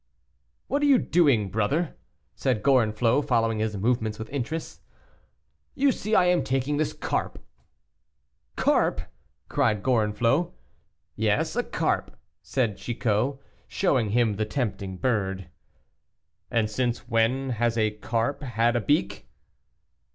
"What are you doing, brother?" said Gorenflot, following his movements with interest. "You see I am taking this carp." "Carp!" cried Gorenflot. "Yes, a carp," said Chicot, showing him the tempting bird. "And since when has a carp had a beak?"